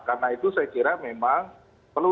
karena itu saya kira memang perlu